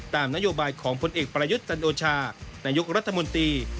ตามนโยบายของผลเอกประยุทธ์จันโอชานายกรัฐมนตรี